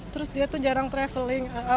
terus dia tuh jarang traveling